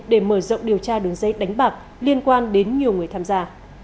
để mở rộng điều tra đường dây đánh bạc liên quan đến nhiều người tham gia